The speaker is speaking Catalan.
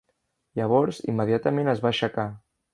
Llavors immediatament es va aixecar.